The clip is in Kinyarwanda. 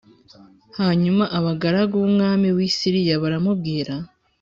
Hanyuma abagaragu b’umwami w’i Siriya baramubwira